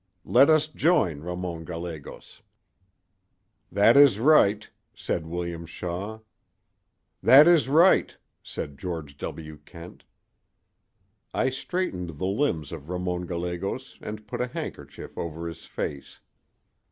Let us join Ramon Gallegos.' "'That is right,' said William Shaw. "'That is right,' said George W. Kent. "I straightened the limbs of Ramon Gallegos and put a handkerchief over his face.